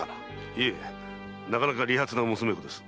いえなかなか利発な娘御です。